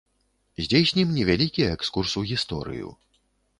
Здзейснім невялікі экскурс у гісторыю.